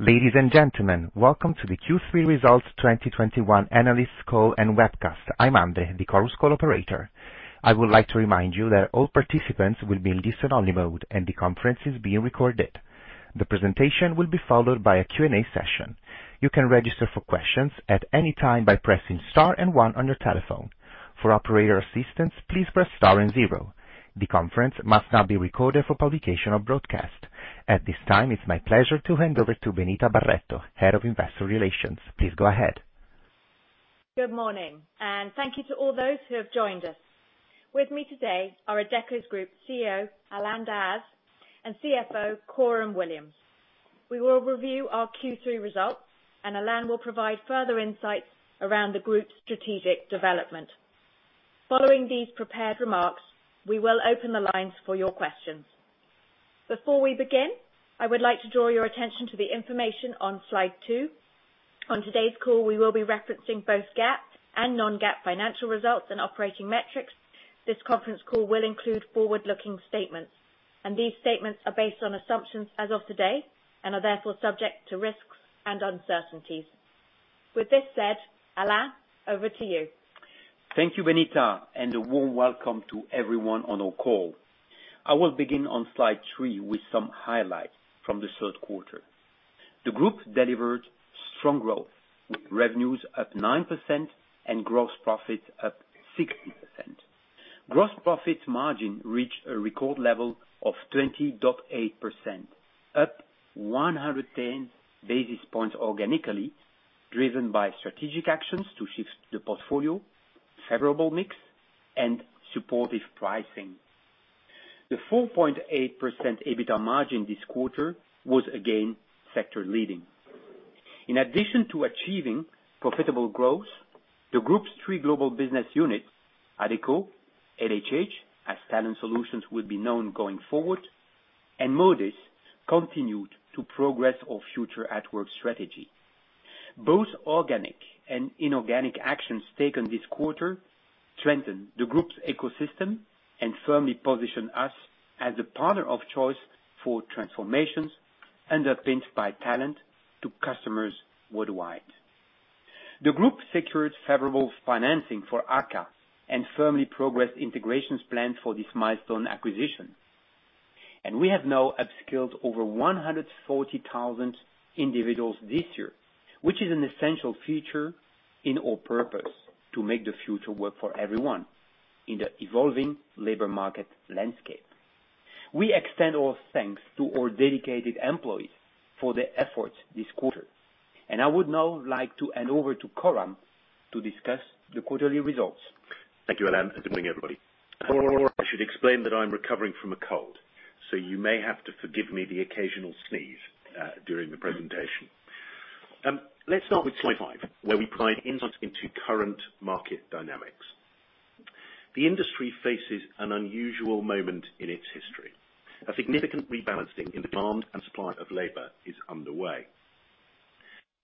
Ladies and gentlemen, welcome to the Q3 2021 Results analyst call and webcast. I'm Andre, the Chorus Call operator. I would like to remind you that all participants will be in listen-only mode and the conference is being recorded. The presentation will be followed by a Q&A session. You can register for questions at any time by pressing star and one on your telephone. For operator assistance, please press star and zero. The conference must not be recorded for publication or broadcast. At this time, it's my pleasure to hand over to Benita Barretto, Head of Investor Relations. Please go ahead. Good morning, and thank you to all those who have joined us. With me today are Adecco Group CEO, Alain Dehaze, and CFO, Coram Williams. We will review our Q3 results, and Alain will provide further insights around the group's strategic development. Following these prepared remarks, we will open the lines for your questions. Before we begin, I would like to draw your attention to the information on slide 2. On today's call, we will be referencing both GAAP and non-GAAP financial results and operating metrics. This conference call will include forward-looking statements, and these statements are based on assumptions as of today and are therefore subject to risks and uncertainties. With this said, Alain, over to you. Thank you, Benita, and a warm welcome to everyone on our call. I will begin on slide 3 with some highlights from the Q3. The Group delivered strong growth, with revenues up 9% and gross profits up 60%. Gross profit margin reached a record level of 20.8%, up 110 basis points organically, driven by strategic actions to shift the portfolio, favorable mix, and supportive pricing. The 4.8% EBITA margin this quarter was again sector-leading. In addition to achieving profitable growth, the Group's three global business units, Adecco, LHH, as Talent Solutions will be known going forward, and Modis, continued to progress our Future at Work strategy. Both organic and inorganic actions taken this quarter strengthened the Group's ecosystem and firmly positioned us as a partner of choice for transformations underpinned by talent to customers worldwide. The group secured favorable financing for AKKA and firmly progressed integrations planned for this milestone acquisition. We have now upskilled over 140,000 individuals this year, which is an essential feature in our purpose to make the future work for everyone in the evolving labor market landscape. We extend our thanks to our dedicated employees for their efforts this quarter. I would now like to hand over to Coram to discuss the quarterly results. Thank you, Alain. Good morning, everybody. I should explain that I'm recovering from a cold, so you may have to forgive me the occasional sneeze during the presentation. Let's start with slide 5, where we provide insight into current market dynamics. The industry faces an unusual moment in its history. A significant rebalancing in demand and supply of labor is underway.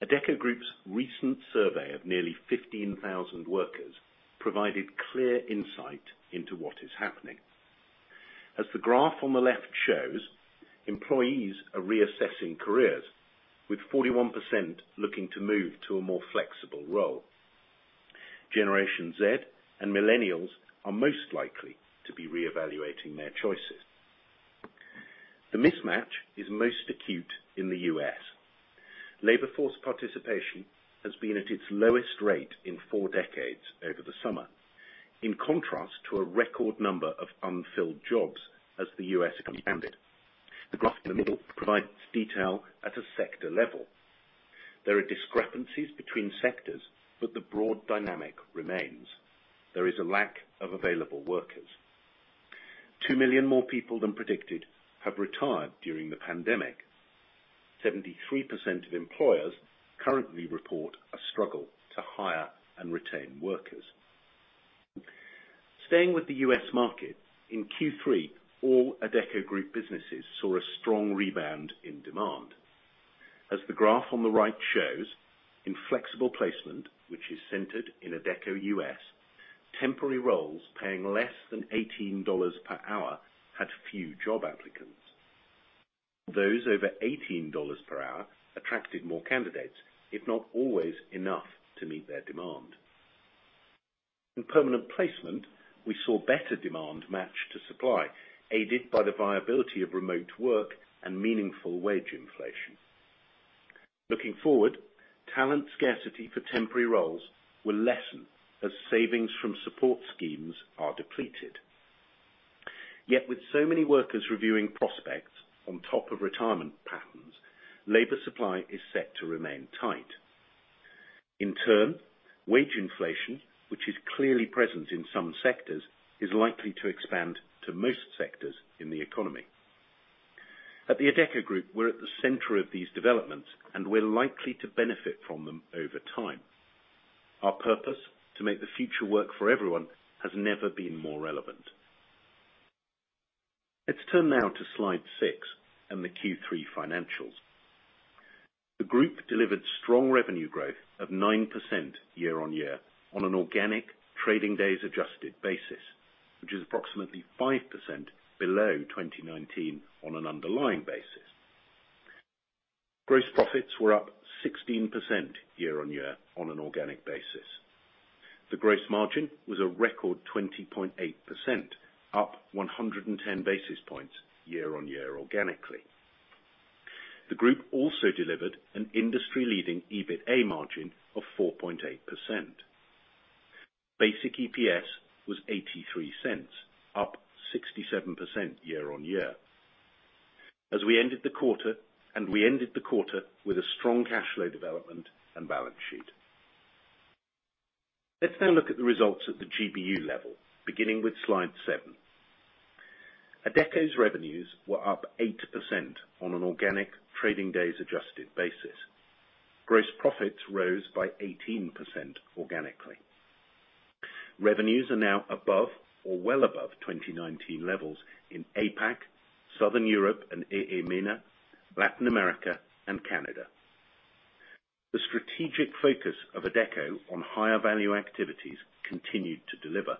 Adecco Group's recent survey of nearly 15,000 workers provided clear insight into what is happening. As the graph on the left shows, employees are reassessing careers, with 41% looking to move to a more flexible role. Generation Z and Millennials are most likely to be reevaluating their choices. The mismatch is most acute in the U.S. Labor force participation has been at its lowest rate in four decades over the summer, in contrast to a record number of unfilled jobs as the U.S. expanded. The graph in the middle provides detail at a sector level. There are discrepancies between sectors, but the broad dynamic remains. There is a lack of available workers. 2 million more people than predicted have retired during the pandemic. 73% of employers currently report a struggle to hire and retain workers. Staying with the U.S. market, in Q3, all Adecco Group businesses saw a strong rebound in demand. As the graph on the right shows, in flexible placement, which is centered in Adecco U.S., temporary roles paying less than $18 per hour had few job applicants. Those over $18 per hour attracted more candidates, if not always enough to meet their demand. In permanent placement, we saw better demand match to supply, aided by the viability of remote work and meaningful wage inflation. Looking forward, talent scarcity for temporary roles will lessen as savings from support schemes are depleted. Yet with so many workers reviewing prospects on top of retirement patterns, labor supply is set to remain tight. In turn, wage inflation, which is clearly present in some sectors, is likely to expand to most sectors in the economy. At the Adecco Group, we're at the center of these developments, and we're likely to benefit from them over time. Our purpose to make the future work for everyone has never been more relevant. Let's turn now to slide 6 and the Q3 financials. The Group delivered strong revenue growth of 9% year-on-year on an organic trading days adjusted basis, which is approximately 5% below 2019 on an underlying basis. Gross profits were up 16% year-on-year on an organic basis. The gross margin was a record 20.8%, up 110 basis points year-on-year organically. The group also delivered an industry-leading EBITA margin of 4.8%. Basic EPS was 0.83, up 67% year-on-year. We ended the quarter with a strong cash flow development and balance sheet. Let's now look at the results at the GBU level, beginning with slide 7. Adecco's revenues were up 8% on an organic trading days adjusted basis. Gross profits rose by 18% organically. Revenues are now above or well above 2019 levels in APAC, Southern Europe and EEMENA, Latin America and Canada. The strategic focus of Adecco on higher value activities continued to deliver.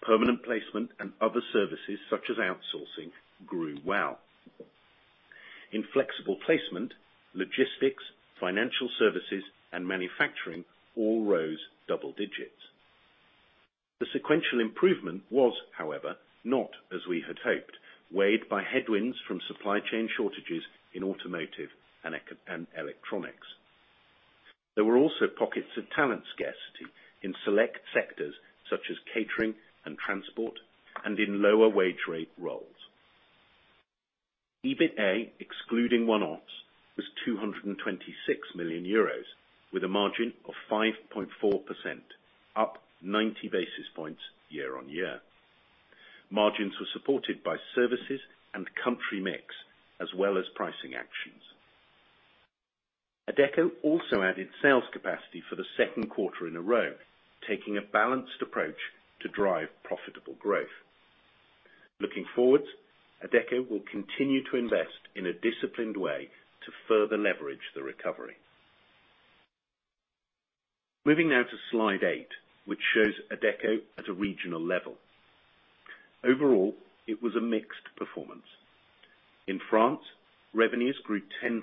Permanent placement and other services such as outsourcing grew well. In flexible placement, logistics, financial services and manufacturing all rose double digits. The sequential improvement was, however, not as we had hoped, weighed by headwinds from supply chain shortages in automotive and electronics. There were also pockets of talent scarcity in select sectors such as catering and transport and in lower wage rate roles. EBITA, excluding one-offs, was EUR 226 million, with a margin of 5.4%, up 90 basis points year-on-year. Margins were supported by services and country mix as well as pricing actions. Adecco also added sales capacity for the Q2 in a row, taking a balanced approach to drive profitable growth. Looking forward, Adecco will continue to invest in a disciplined way to further leverage the recovery. Moving now to slide 8, which shows Adecco at a regional level. Overall, it was a mixed performance. In France, revenues grew 10%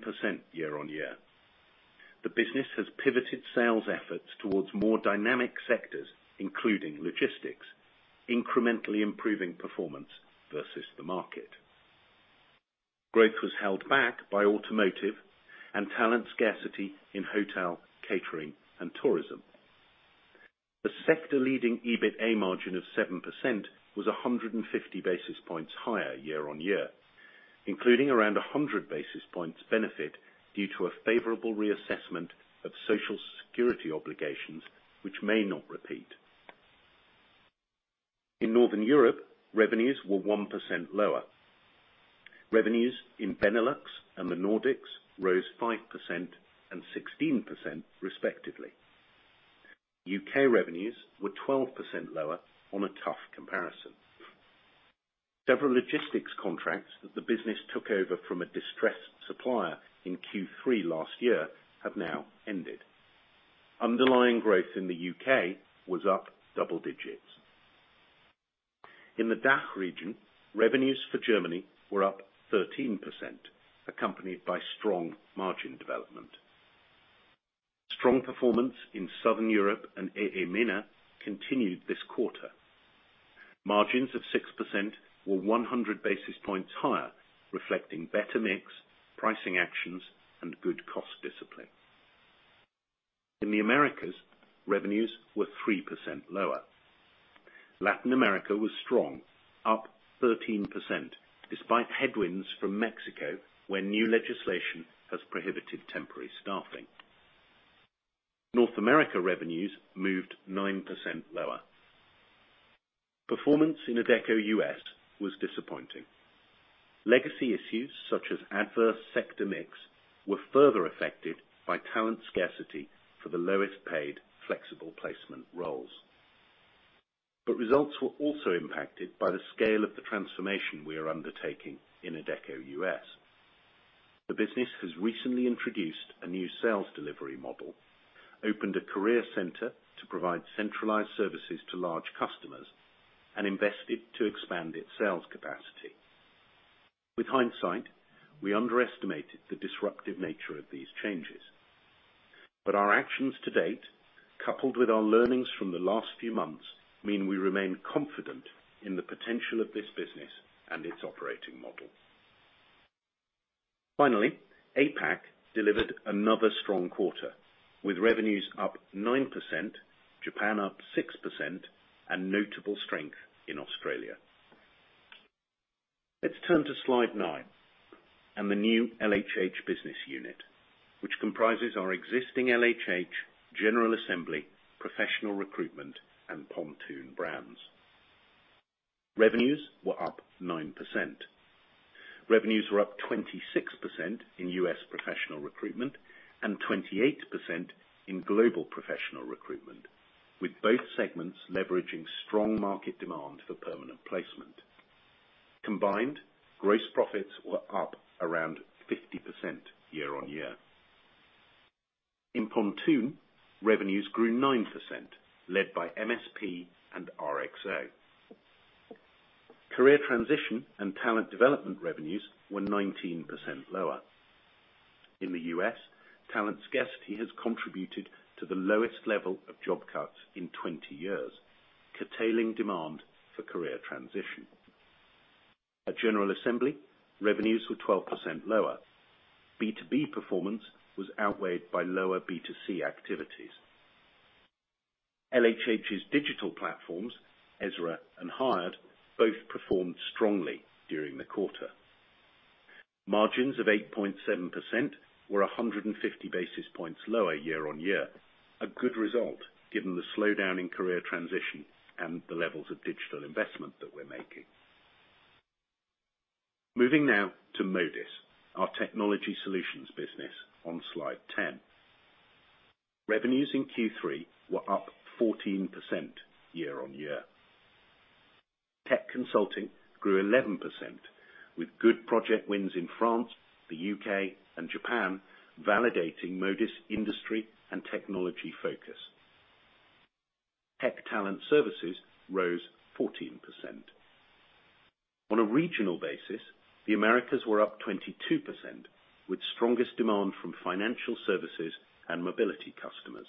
year-on-year. The business has pivoted sales efforts towards more dynamic sectors, including logistics, incrementally improving performance versus the market. Growth was held back by automotive and talent scarcity in hotel, catering and tourism. The sector-leading EBITA margin of 7% was 150 basis points higher year-on-year, including around 100 basis points benefit due to a favorable reassessment of social security obligations which may not repeat. In Northern Europe, revenues were 1% lower. Revenues in Benelux and the Nordics rose 5% and 16% respectively. U.K. revenues were 12% lower on a tough comparison. Several logistics contracts that the business took over from a distressed supplier in Q3 last year have now ended. Underlying growth in the U.K. was up double digits. In the DACH region, revenues for Germany were up 13%, accompanied by strong margin development. Strong performance in Southern Europe and EEMENA continued this quarter. Margins of 6% were 100 basis points higher, reflecting better mix, pricing actions and good cost discipline. In the Americas, revenues were 3% lower. Latin America was strong, up 13% despite headwinds from Mexico, where new legislation has prohibited temporary staffing. North America revenues moved 9% lower. Performance in Adecco U.S. was disappointing. Legacy issues such as adverse sector mix were further affected by talent scarcity for the lowest paid flexible placement roles. Results were also impacted by the scale of the transformation we are undertaking in Adecco U.S. The business has recently introduced a new sales delivery model, opened a career center to provide centralized services to large customers, and invested to expand its sales capacity. With hindsight, we underestimated the disruptive nature of these changes. Our actions to date, coupled with our learnings from the last few months, mean we remain confident in the potential of this business and its operating model. Finally, APAC delivered another strong quarter, with revenues up 9%, Japan up 6%, and notable strength in Australia. Let's turn to slide 9 and the new LHH business unit, which comprises our existing LHH, General Assembly, Professional Recruitment and Pontoon brands. Revenues were up 9%. Revenues were up 26% in U.S. professional recruitment and 28% in global professional recruitment, with both segments leveraging strong market demand for permanent placement. Combined, gross profits were up around 50% year-over-year. In Pontoon, revenues grew 9%, led by MSP and RPO. Career transition and talent development revenues were 19% lower. In the U.S., talent scarcity has contributed to the lowest level of job cuts in 20 years, curtailing demand for career transition. At General Assembly, revenues were 12% lower. B2B performance was outweighed by lower B2C activities. LHH's digital platforms, Ezra and Hired, both performed strongly during the quarter. Margins of 8.7% were 150 basis points lower year-on-year, a good result given the slowdown in career transition and the levels of digital investment that we're making. Moving now to Modis, our technology solutions business on slide 10. Revenues in Q3 were up 14% year-on-year. Tech consulting grew 11% with good project wins in France, the U.K., and Japan, validating Modis' industry and technology focus. Tech talent services rose 14%. On a regional basis, the Americas were up 22% with strongest demand from financial services and mobility customers.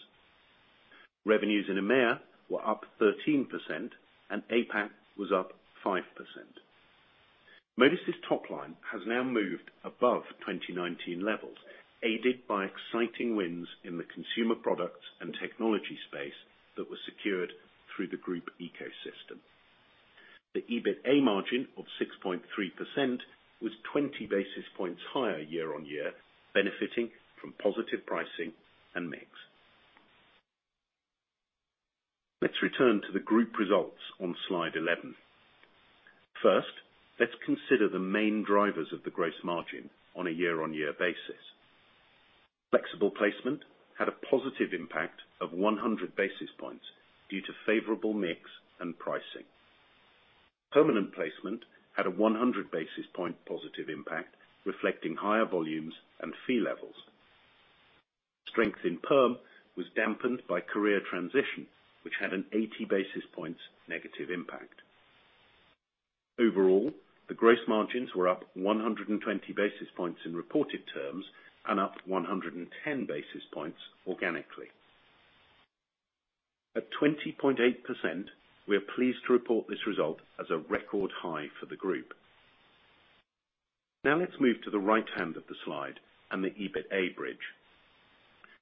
Revenues in EEMENA were up 13%, and APAC was up 5%. Modis' top line has now moved above 2019 levels, aided by exciting wins in the consumer products and technology space that was secured through the group ecosystem. The EBITA margin of 6.3% was 20 basis points higher year-on-year, benefiting from positive pricing and mix. Let's return to the group results on slide 11. First, let's consider the main drivers of the gross margin on a year-on-year basis. Flexible placement had a positive impact of 100 basis points due to favorable mix and pricing. Permanent placement had a 100 basis point positive impact, reflecting higher volumes and fee levels. Strength in perm was dampened by career transition, which had an 80 basis points negative impact. Overall, the gross margins were up 120 basis points in reported terms and up 110 basis points organically. At 20.8%, we are pleased to report this result as a record high for the group. Now let's move to the right hand of the slide and the EBITA bridge.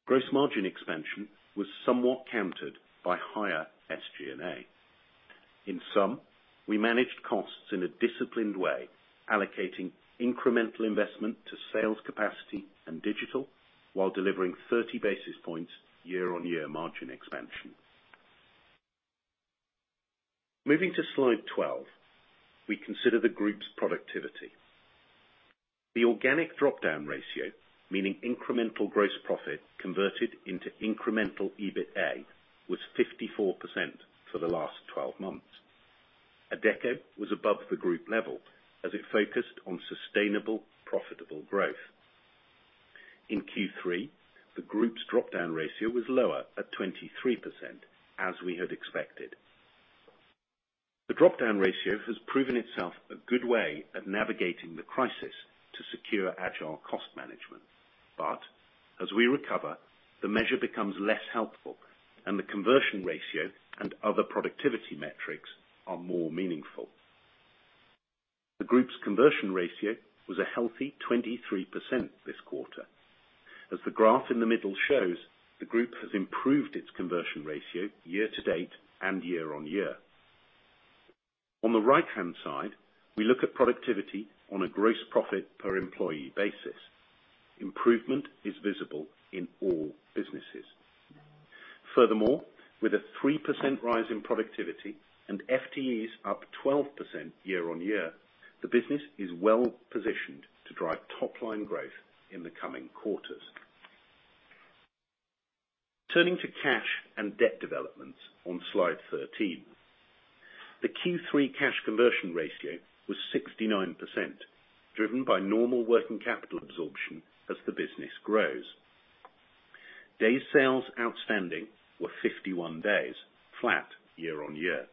Gross margin expansion was somewhat countered by higher SG&A. In sum, we managed costs in a disciplined way, allocating incremental investment to sales capacity and digital while delivering 30 basis points year-on-year margin expansion. Moving to slide 12, we consider the group's productivity. The organic dropdown ratio, meaning incremental gross profit converted into incremental EBITA, was 54% for the last 12 months. Adecco was above the group level as it focused on sustainable, profitable growth. In Q3, the group's dropdown ratio was lower at 23%, as we had expected. The dropdown ratio has proven itself a good way of navigating the crisis to secure agile cost management. As we recover, the measure becomes less helpful, and the conversion ratio and other productivity metrics are more meaningful. The group's conversion ratio was a healthy 23% this quarter. As the graph in the middle shows, the group has improved its conversion ratio year to date and year-on-year. On the right-hand side, we look at productivity on a gross profit per employee basis. Improvement is visible in all businesses. Furthermore, with a 3% rise in productivity and FTEs up 12% year-on-year, the business is well-positioned to drive top-line growth in the coming quarters. Turning to cash and debt developments on slide 13. The Q3 cash conversion ratio was 69%, driven by normal working capital absorption as the business grows. Days sales outstanding were 51 days, flat year-on-year,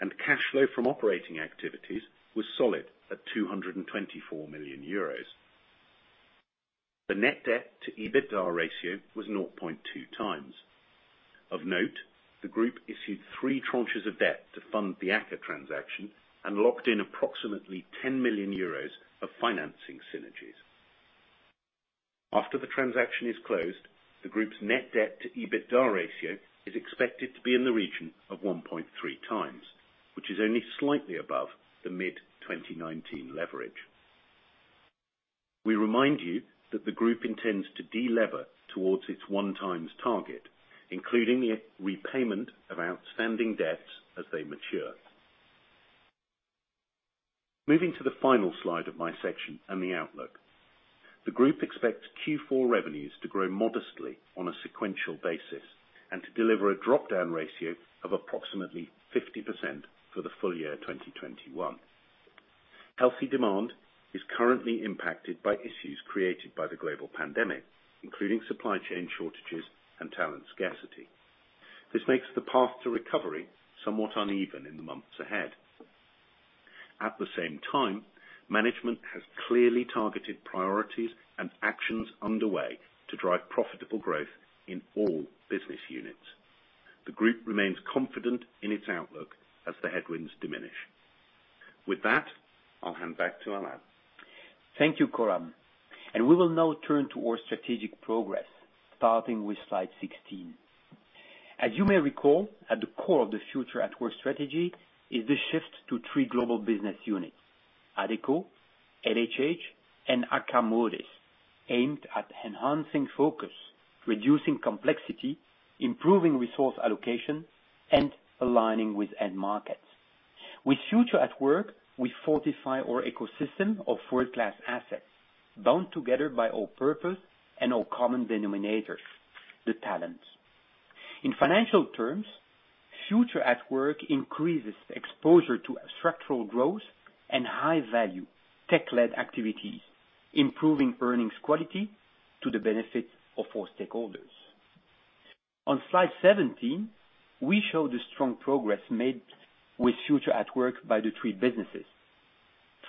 and cash flow from operating activities was solid at 224 million euros. The net debt to EBITDA ratio was 0.2x. Of note, the group issued three tranches of debt to fund the AKKA transaction and locked in approximately 10 million euros of financing synergies. After the transaction is closed, the group's net debt to EBITDA ratio is expected to be in the region of 1.3x, which is only slightly above the mid-2019 leverage. We remind you that the group intends to delever towards its 1x target, including the repayment of outstanding debts as they mature. Moving to the final slide of my section and the outlook. The group expects Q4 revenues to grow modestly on a sequential basis and to deliver a dropdown ratio of approximately 50% for the full year 2021. Healthy demand is currently impacted by issues created by the global pandemic, including supply chain shortages and talent scarcity. This makes the path to recovery somewhat uneven in the months ahead. At the same time, management has clearly targeted priorities and actions underway to drive profitable growth in all business units. The group remains confident in its outlook as the headwinds diminish. With that, I'll hand back to Alain. Thank you, Coram. We will now turn to our strategic progress, starting with slide 16. As you may recall, at the core of the Future at Work strategy is the shift to three global business units, Adecco, LHH, and Akkodis, aimed at enhancing focus, reducing complexity, improving resource allocation, and aligning with end markets. With Future at Work, we fortify our ecosystem of world-class assets bound together by our purpose and our common denominators, the talents. In financial terms, Future at Work increases exposure to structural growth and high-value tech-led activities, improving earnings quality to the benefit of our stakeholders. On slide 17, we show the strong progress made with Future at Work by the three businesses.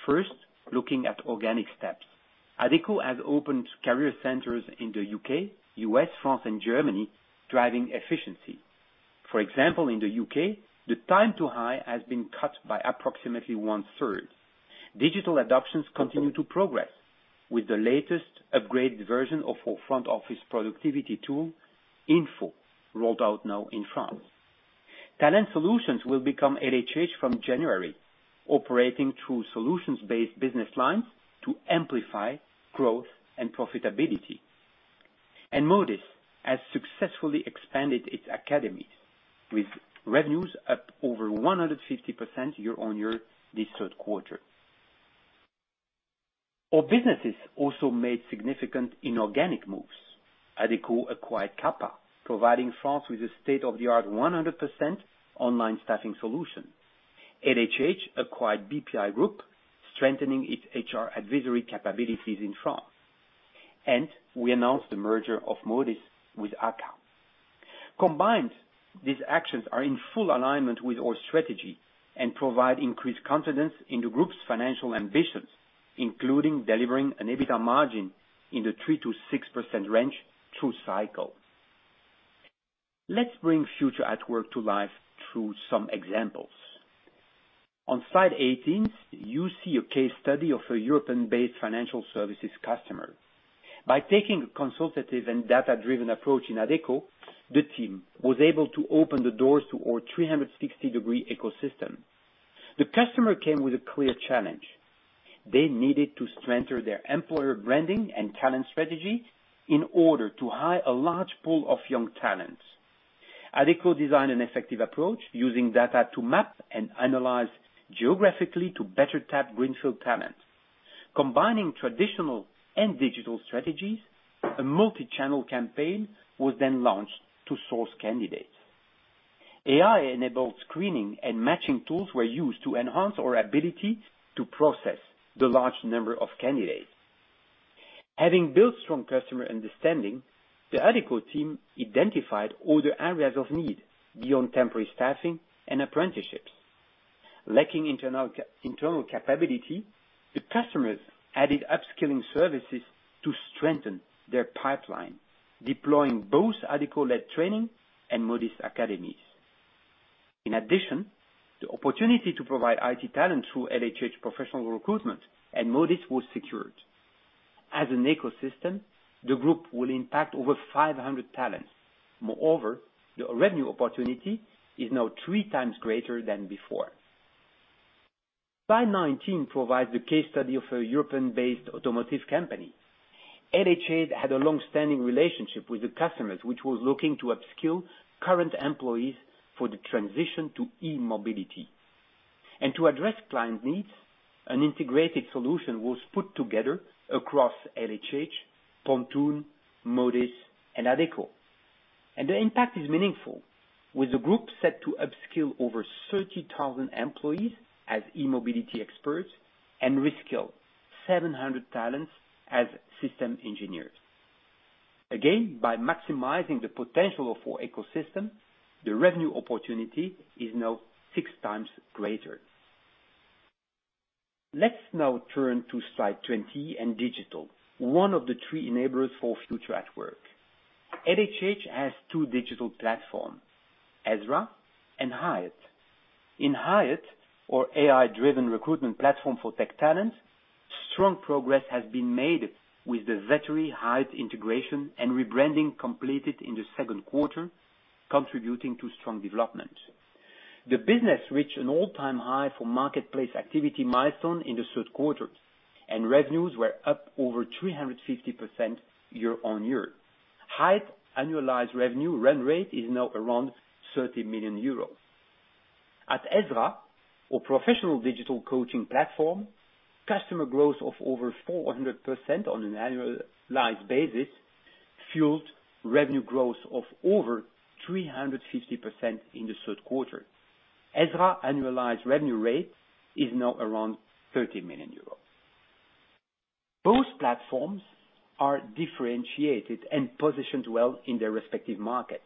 First, looking at organic steps, Adecco has opened career centers in the U.K., U.S., France, and Germany, driving efficiency. For example, in the U.K., the time to hire has been cut by approximately 1/3. Digital adoptions continue to progress, with the latest upgraded version of our front office productivity tool, InFO, rolled out now in France. Talent Solutions will become LHH from January, operating through solutions-based business lines to amplify growth and profitability. Modis has successfully expanded its academies, with revenues up over 150% year-on-year this Q3. Our businesses also made significant inorganic moves. Adecco acquired QAPA, providing France with a state-of-the-art 100% online staffing solution. LHH acquired BPI Group, strengthening its HR advisory capabilities in France. We announced the merger of Modis with AKKA. Combined, these actions are in full alignment with our strategy and provide increased confidence in the group's financial ambitions, including delivering an EBITA margin in the 3%-6% range through cycle. Let's bring Future at Work to life through some examples. On slide 18, you see a case study of a European-based financial services customer. By taking a consultative and data-driven approach in Adecco, the team was able to open the doors to our 360-degree ecosystem. The customer came with a clear challenge. They needed to strengthen their employer branding and talent strategy in order to hire a large pool of young talents. Adecco designed an effective approach using data to map and analyze geographically to better tap greenfield talent. Combining traditional and digital strategies, a multi-channel campaign was then launched to source candidates. AI-enabled screening and matching tools were used to enhance our ability to process the large number of candidates. Having built strong customer understanding, the Adecco team identified other areas of need beyond temporary staffing and apprenticeships. Lacking internal capability, the customers added upskilling services to strengthen their pipeline, deploying both Adecco-led training and Modis academies. In addition, the opportunity to provide IT talent through LHH professional recruitment and Modis was secured. As an ecosystem, the group will impact over 500 talents. Moreover, the revenue opportunity is now 3x greater than before. Slide 19 provides a case study of a European-based automotive company. LHH had a long-standing relationship with the customers, which was looking to upskill current employees for the transition to e-mobility. To address client needs, an integrated solution was put together across LHH, Pontoon, Modis, and Adecco. The impact is meaningful, with the group set to upskill over 30,000 employees as e-mobility experts and reskill 700 talents as system engineers. Again, by maximizing the potential of our ecosystem, the revenue opportunity is now 6x greater. Let's now turn to slide 20 and digital, 1 of the 3 enablers for Future at Work. LHH has two digital platforms, Ezra and Hired. In Hired, our AI-driven recruitment platform for tech talent, strong progress has been made with the Vettery Hired integration and rebranding completed in the Q2, contributing to strong development. The business reached an all-time high for marketplace activity milestone in the Q3, and revenues were up over 350% year-over-year. Hired annualized revenue run rate is now around 30 million euros. At Ezra, our professional digital coaching platform, customer growth of over 400% on an annualized basis fueled revenue growth of over 350% in the Q3. Ezra annualized revenue rate is now around 30 million euros. Both platforms are differentiated and positioned well in their respective markets.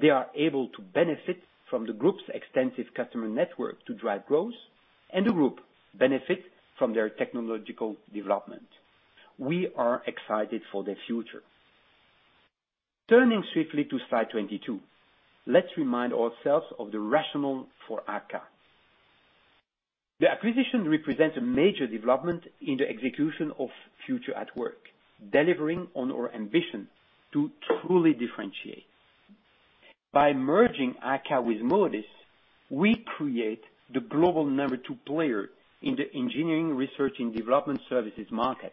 They are able to benefit from the group's extensive customer network to drive growth, and the group benefits from their technological development. We are excited for the future. Turning swiftly to slide 22. Let's remind ourselves of the rationale for AKKA. The acquisition represents a major development in the execution of Future at Work, delivering on our ambition to truly differentiate. By merging AKKA with Modis, we create the global number 2 player in the engineering, research, and development services market,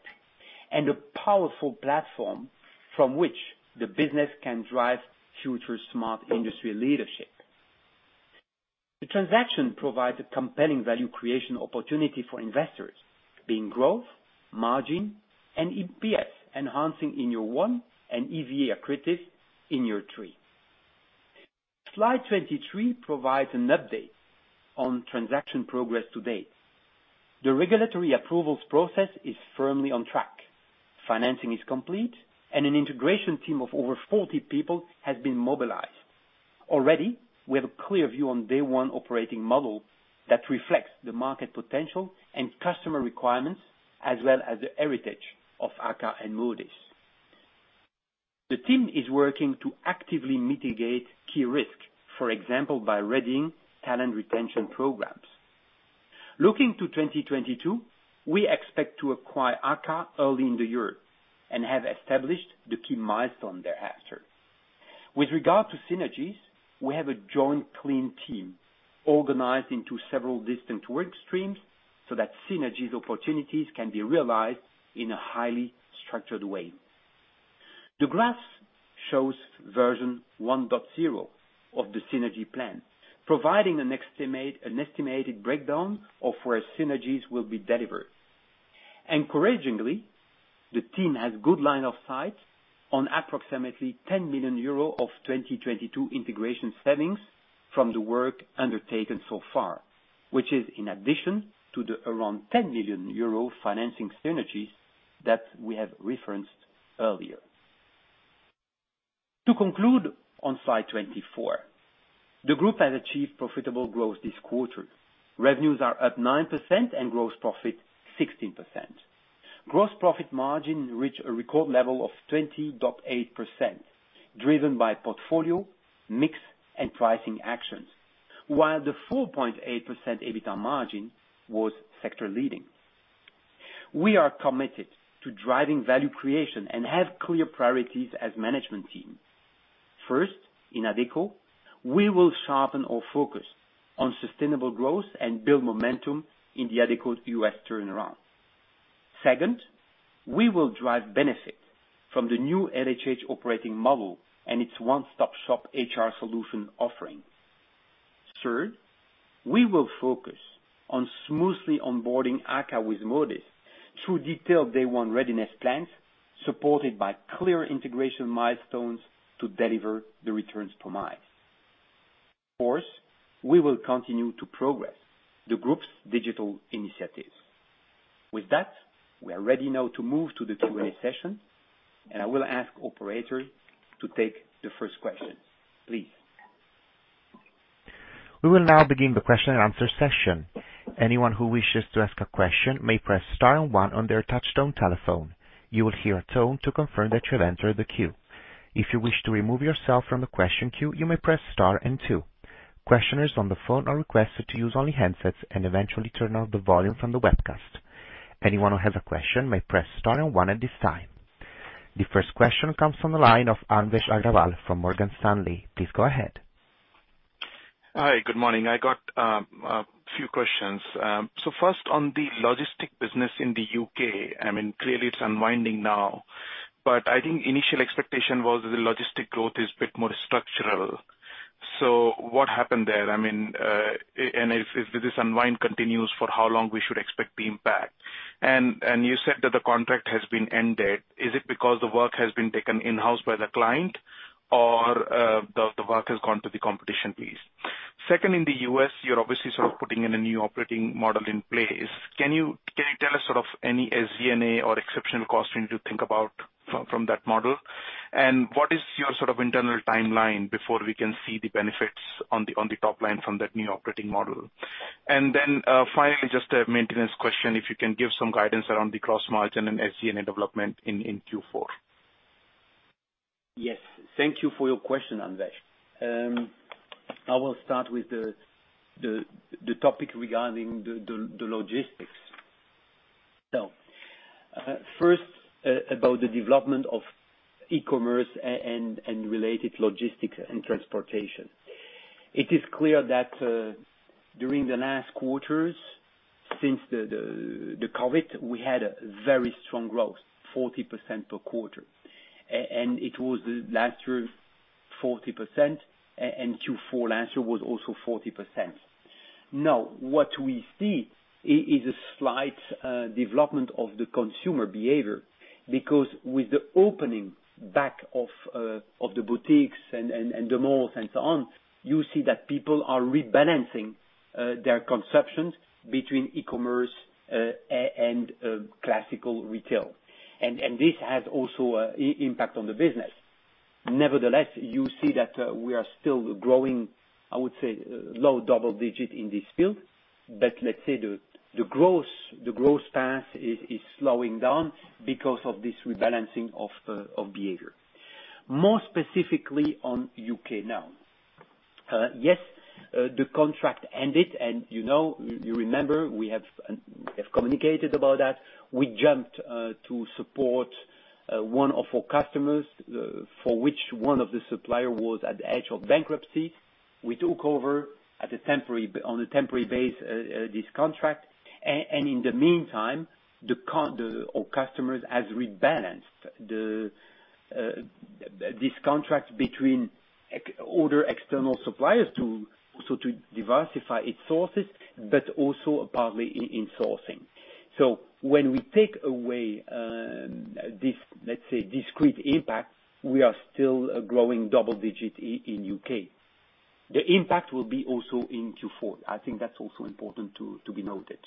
and a powerful platform from which the business can drive future smart industry leadership. The transaction provides a compelling value creation opportunity for investors, being growth, margin, and EPS enhancing in year 1 and EVA accretive in year 3. Slide 23 provides an update on transaction progress-to-date. The regulatory approvals process is firmly on track. Financing is complete, and an integration team of over 40 people has been mobilized. Already, we have a clear view on day one operating model that reflects the market potential and customer requirements, as well as the heritage of AKKA and Modis. The team is working to actively mitigate key risks, for example, by readying talent retention programs. Looking to 2022, we expect to acquire AKKA early in the year and have established the key milestone thereafter. With regard to synergies, we have a joint clean team organized into several distinct work streams so that synergies opportunities can be realized in a highly structured way. The graph shows version 1.0 of the synergy plan, providing an estimate, an estimated breakdown of where synergies will be delivered. Encouragingly, the team has good line of sight on approximately 10 million euro of 2022 integration savings from the work undertaken so far, which is in addition to the around 10 million euro financing synergies that we have referenced earlier. To conclude on slide 24, the group has achieved profitable growth this quarter. Revenues are up 9% and gross profit 16%. Gross profit margin reached a record level of 20.8%, driven by portfolio mix and pricing actions, while the 4.8% EBITA margin was sector leading. We are committed to driving value creation and have clear priorities as management team. First, in Adecco, we will sharpen our focus on sustainable growth and build momentum in the Adecco U.S. turnaround. Second, we will drive benefit from the new LHH operating model and its one-stop shop HR solution offering. Third, we will focus on smoothly onboarding AKKA with Modis through detailed day one readiness plans, supported by clear integration milestones to deliver the returns promised. Fourth, we will continue to progress the group's digital initiatives. With that, we are ready now to move to the Q&A session, and I will ask operator to take the first question. Please. We will now begin the question and answer session. Anyone who wishes to ask a question may press star and one on their touchtone telephone. You will hear a tone to confirm that you have entered the queue. If you wish to remove yourself from the question queue, you may press star and two. Questioners on the phone are requested to use only handsets and eventually turn off the volume from the webcast. Anyone who has a question may press star and one at this time. The first question comes from the line of Anvesh Agrawal from Morgan Stanley. Please go ahead. Hi. Good morning. I got a few questions. First on the logistics business in the U.K., I mean, clearly it's unwinding now, but I think initial expectation was the logistics growth is a bit more structural. What happened there? I mean, and if this unwind continues, for how long we should expect the impact. And you said that the contract has been ended. Is it because the work has been taken in-house by the client or the work has gone to the competition, please? Second, in the U.S., you're obviously sort of putting in a new operating model in place. Can you tell us sort of any SG&A or exceptional costs we need to think about from that model? What is your sort of internal timeline before we can see the benefits on the top line from that new operating model? Then, finally, just a maintenance question, if you can give some guidance around the gross margin and SG&A development in Q4. Yes. Thank you for your question, Anvesh. I will start with the topic regarding the logistics. First, about the development of e-commerce and related logistics and transportation. It is clear that during the last quarters. Since the COVID, we had a very strong growth, 40% per quarter. It was last year 40% and Q4 last year was also 40%. Now, what we see is a slight development of the consumer behavior because with the opening back of the boutiques and the malls and so on, you see that people are rebalancing their perceptions between e-commerce and classical retail. This has also an impact on the business. Nevertheless, you see that we are still growing, I would say, low double digit in this field. Let's say the growth path is slowing down because of this rebalancing of behavior. More specifically on U.K. now. Yes, the contract ended and you know, you remember, we have communicated about that. We jumped to support one of our customers, for which one of the supplier was at the edge of bankruptcy. We took over on a temporary basis this contract. In the meantime, the customer has rebalanced this contract between other external suppliers, so to diversify its sources, but also partly in sourcing. When we take away this, let's say, discrete impact, we are still growing double-digit in U.K. The impact will also be in Q4. I think that's also important to be noted.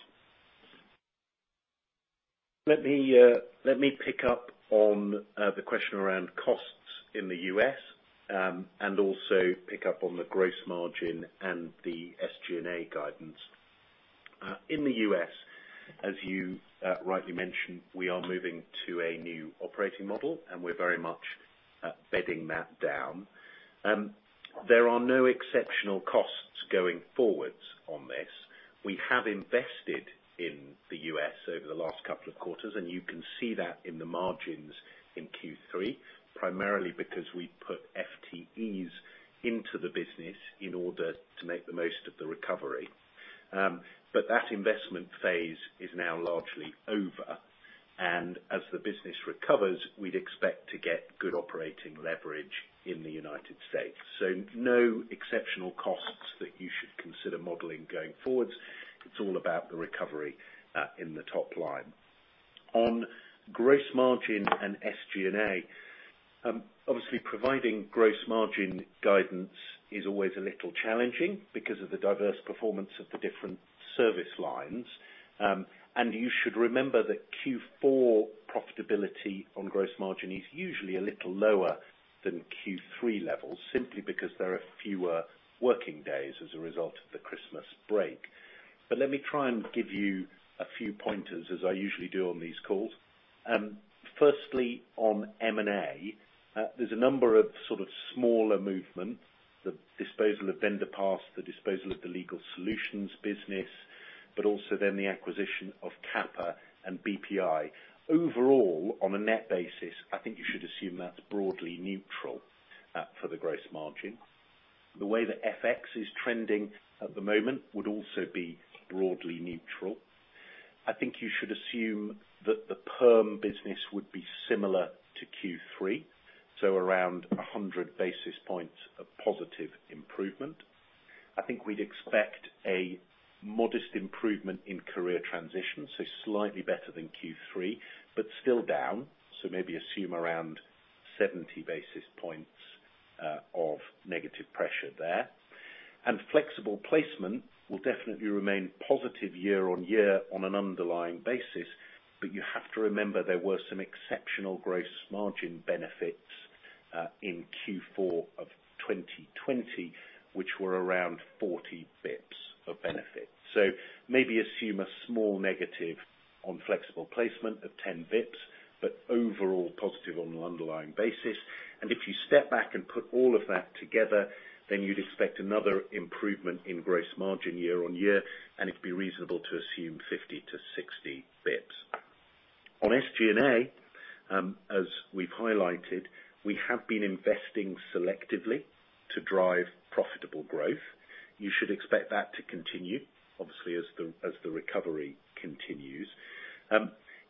Let me pick up on the question around costs in the U.S., and also pick up on the gross margin and the SG&A guidance. In the U.S., as you rightly mentioned, we are moving to a new operating model, and we're very much bedding that down. There are no exceptional costs going forwards on this. We have invested in the U.S. over the last couple of quarters, and you can see that in the margins in Q3, primarily because we put FTEs into the business in order to make the most of the recovery. But that investment phase is now largely over. As the business recovers, we'd expect to get good operating leverage in the United States. No exceptional costs that you should consider modeling going forwards. It's all about the recovery in the top line. On gross margin and SG&A, obviously providing gross margin guidance is always a little challenging because of the diverse performance of the different service lines. You should remember that Q4 profitability on gross margin is usually a little lower than Q3 levels simply because there are fewer working days as a result of the Christmas break. Let me try and give you a few pointers as I usually do on these calls. Firstly, on M&A, there's a number of sort of smaller movement, the disposal of VendorPass, the disposal of the legal solutions business, but also then the acquisition of QAPA and BPI. Overall, on a net basis, I think you should assume that's broadly neutral for the gross margin. The way that FX is trending at the moment would also be broadly neutral. I think you should assume that the perm business would be similar to Q3, so around 100 basis points of positive improvement. I think we'd expect a modest improvement in career transition, so slightly better than Q3, but still down, so maybe assume around 70 basis points of negative pressure there. Flexible placement will definitely remain positive year-on-year on an underlying basis, but you have to remember there were some exceptional gross margin benefits in Q4 of 2020, which were around 40 basis points of benefits. Maybe assume a small negative on flexible placement of 10 basis points, but overall positive on an underlying basis. If you step back and put all of that together, then you'd expect another improvement in gross margin year-on-year, and it'd be reasonable to assume 50 bps-60 bps. On SG&A, as we've highlighted, we have been investing selectively to drive profitable growth. You should expect that to continue, obviously, as the recovery continues.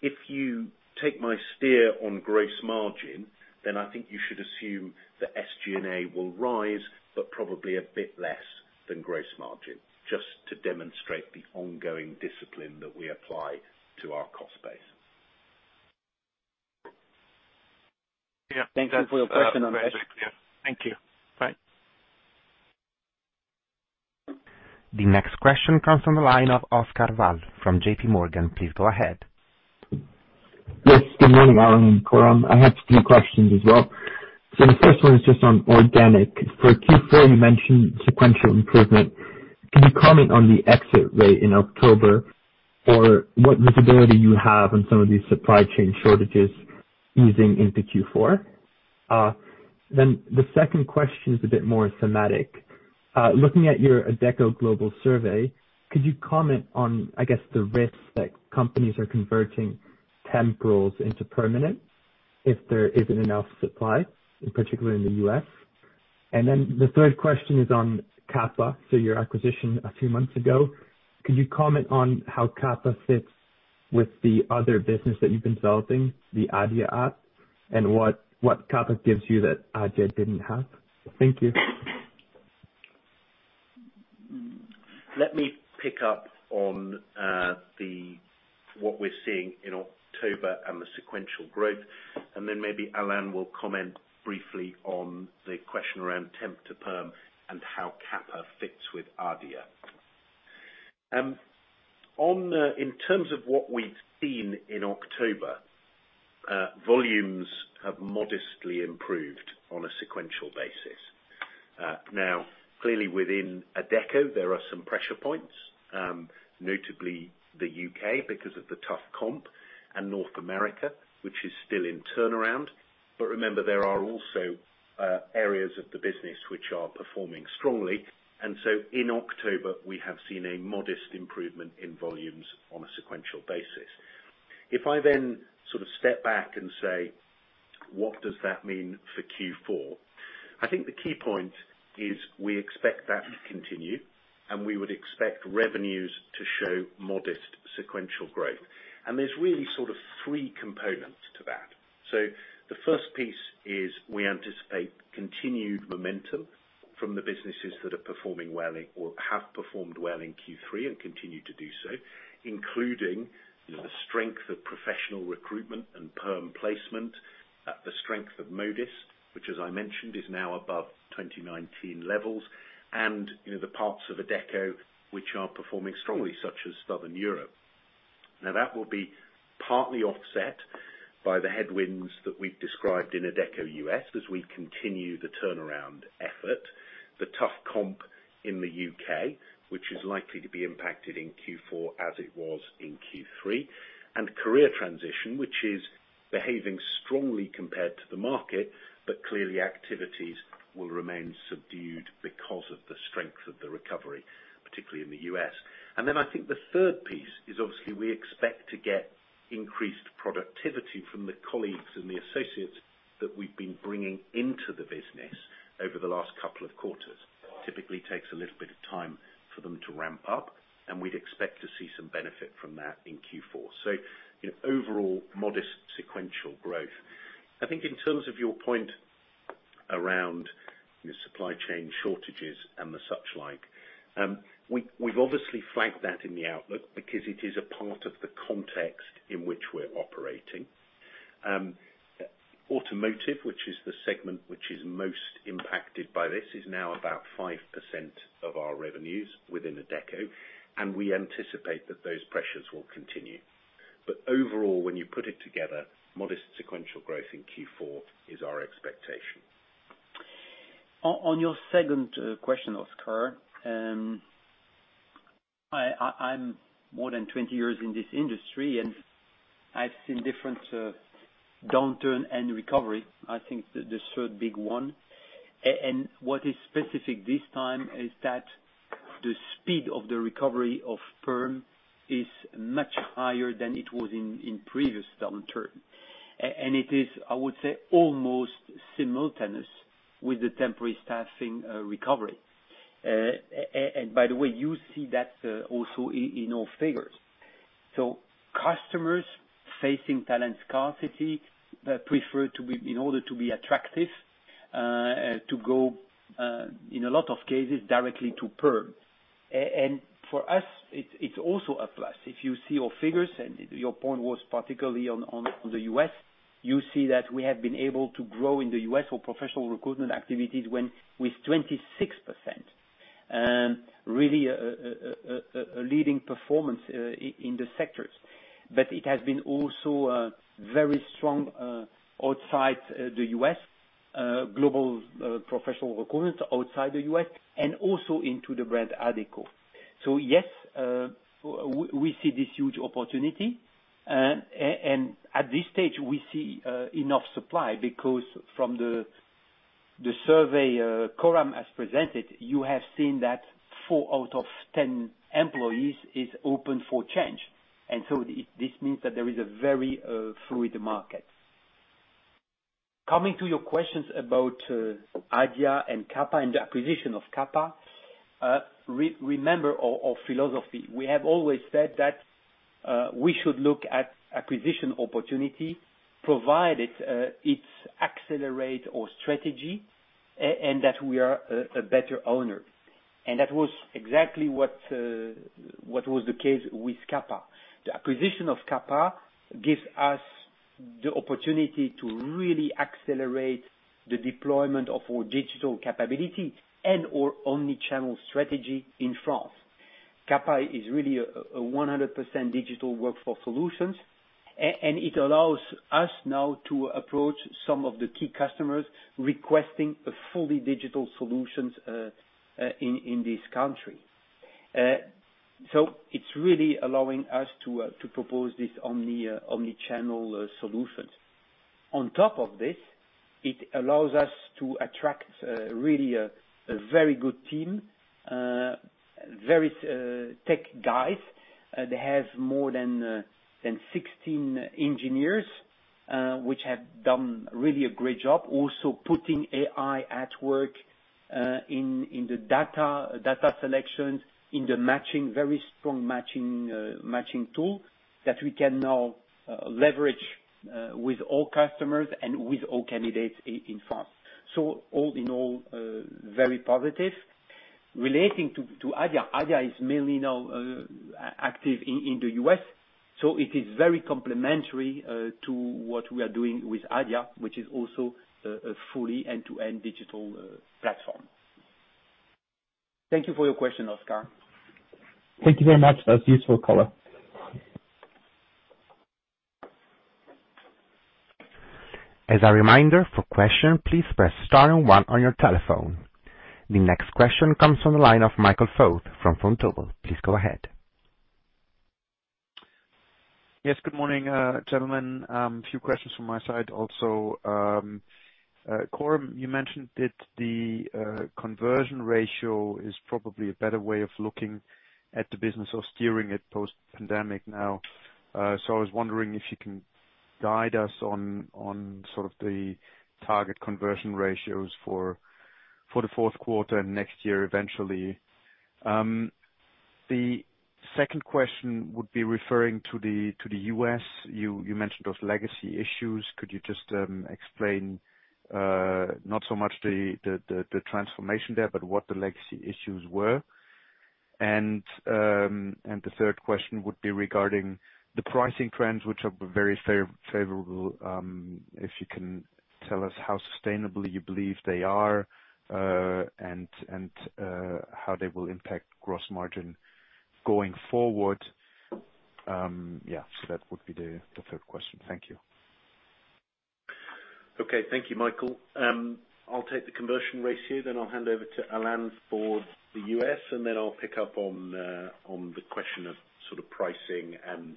If you take my steer on gross margin, then I think you should assume that SG&A will rise, but probably a bit less than gross margin, just to demonstrate the ongoing discipline that we apply to our cost base. Yeah. Thanks for your question on this. That's very clear. Thank you. Bye. The next question comes from the line of Oscar Val from JPMorgan. Please go ahead. Yes, good morning, Alain and Coram. I have three questions as well. The first one is just on organic. For Q4, you mentioned sequential improvement. Can you comment on the exit rate in October or what visibility you have on some of these supply chain shortages easing into Q4? The second question is a bit more thematic. Looking at your Adecco global survey, could you comment on, I guess, the risk that companies are converting temp roles into permanent if there isn't enough supply, in particular in the U.S.? The third question is on QAPA, so your acquisition a few months ago. Could you comment on how QAPA fits with the other business that you've been developing, the Adia app, and what QAPA gives you that Adia didn't have? Thank you. Let me pick up on what we're seeing in October and the sequential growth, and then maybe Alain will comment briefly on the question around temp-to-perm and how QAPA fits with Adia. In terms of what we've seen in October, volumes have modestly improved on a sequential basis. Now, clearly, within Adecco, there are some pressure points, notably the U.K., because of the tough comp, and North America, which is still in turnaround. Remember, there are also areas of the business which are performing strongly. In October, we have seen a modest improvement in volumes on a sequential basis. If I then sort of step back and say, what does that mean for Q4? I think the key point is we expect that to continue, and we would expect revenues to show modest sequential growth. There's really sort of three components to that. The first piece is we anticipate continued momentum from the businesses that are performing well or have performed well in Q3, and continue to do so, including the strength of professional recruitment and perm placement, the strength of Modis, which as I mentioned, is now above 2019 levels, and you know, the parts of Adecco which are performing strongly, such as Southern Europe. Now, that will be partly offset by the headwinds that we've described in Adecco U.S. as we continue the turnaround effort. The tough comp in the U.K., which is likely to be impacted in Q4 as it was in Q3, and career transition, which is behaving strongly compared to the market, but clearly activities will remain subdued because of the strength of the recovery, particularly in the U.S. I think the third piece is, obviously, we expect to get increased productivity from the colleagues and the associates that we've been bringing into the business over the last couple of quarters. Typically takes a little bit of time for them to ramp up, and we'd expect to see some benefit from that in Q4. You know, overall modest sequential growth. I think in terms of your point around the supply chain shortages and the such like, we've obviously flagged that in the outlook because it is a part of the context in which we're operating. Automotive, which is the segment which is most impacted by this, is now about 5% of our revenues within Adecco, and we anticipate that those pressures will continue. Overall, when you put it together, modest sequential growth in Q4 is our expectation. On your second question, Oscar, I'm more than 20 years in this industry, and I've seen different downturn and recovery. I think this third big one. What is specific this time is that the speed of the recovery of perm is much higher than it was in previous downturn. It is, I would say, almost simultaneous with the temporary staffing recovery. By the way, you see that also in our figures. Customers facing talent scarcity prefer to be, in order to be attractive, to go, in a lot of cases, directly to perm. For us, it's also a plus. If you see our figures, and your point was particularly on the U.S., you see that we have been able to grow in the U.S. our professional recruitment activities with 26%. Really, a leading performance in the sectors. It has been also very strong outside the U.S., global professional recruitment outside the U.S., and also in the brand Adecco. Yes, we see this huge opportunity. And at this stage, we see enough supply because from the survey Coram has presented, you have seen that 4 out of 10 employees is open for change. This means that there is a very fluid market. Coming to your questions about Adia and QAPA and the acquisition of QAPA, remember our philosophy. We have always said that we should look at acquisition opportunities provided it accelerates our strategy and that we are a better owner. That was exactly what was the case with QAPA. The acquisition of QAPA gives us the opportunity to really accelerate the deployment of our digital capability and our omni-channel strategy in France. QAPA is really a 100% digital workforce solutions, and it allows us now to approach some of the key customers requesting a fully digital solutions in this country. It's really allowing us to propose this omni-channel solutions. On top of this, it allows us to attract really a very good team, very tech guys. They have more than 16 engineers, which have done really a great job also putting AI at work in the data selection, in the matching, very strong matching tool that we can now leverage with all customers and with all candidates in France. All in all, very positive. Relating to Adia. Adia is mainly now active in the U.S., so it is very complementary to what we are doing with Adia, which is also a fully end-to-end digital platform. Thank you for your question, Oscar. Thank you very much. That's useful color. As a reminder, to ask a question, please press star and one on your telephone. The next question comes from the line of Michael Foeth from Vontobel. Please go ahead. Yes, good morning, gentlemen. A few questions from my side also. Coram, you mentioned that the conversion ratio is probably a better way of looking at the business or steering it post pandemic now. So I was wondering if you can guide us on sort of the target conversion ratios for the Q4 and next year eventually. The second question would be referring to the U.S. You mentioned those legacy issues. Could you just explain not so much the transformation there, but what the legacy issues were? The third question would be regarding the pricing trends, which are very favorable. If you can tell us how sustainable you believe they are, and how they will impact gross margin going forward. Yeah, that would be the third question. Thank you. Okay. Thank you, Michael. I'll take the conversion ratio, then I'll hand over to Alain for the U.S., and then I'll pick up on the question of sort of pricing and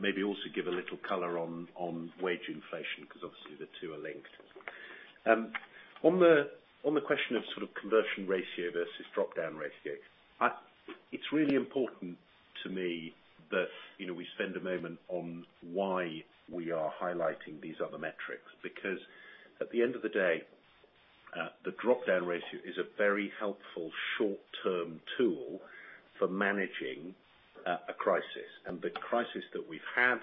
maybe also give a little color on wage inflation, 'cause obviously the two are linked. On the question of sort of conversion ratio versus drop-down ratio. It's really important to me that, you know, we spend a moment on why we are highlighting these other metrics, because at the end of the day, the drop-down ratio is a very helpful short-term tool for managing a crisis. The crisis that we've had,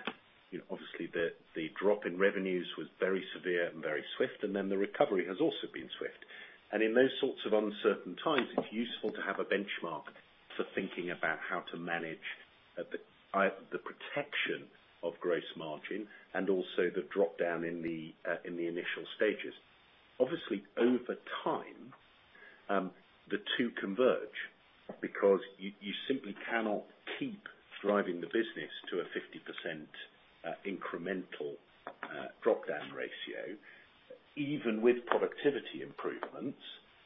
you know, obviously the drop in revenues was very severe and very swift, and then the recovery has also been swift. In those sorts of uncertain times, it's useful to have a benchmark for thinking about how to manage the protection of gross margin and also the drop-down in the initial stages. Obviously over time, the two converge because you simply cannot keep driving the business to a 50% incremental drop-down ratio. Even with productivity improvements,